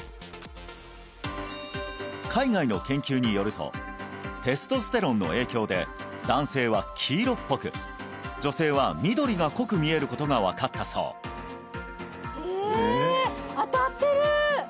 海外の研究によるとテストステロンの影響で男性は黄色っぽく女性は緑が濃く見えることが分かったそうええ